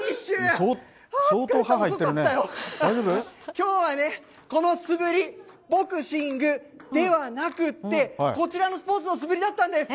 きょうはね、この素振り、ボクシングではなくって、こちらのスポーツの素振りだったんです。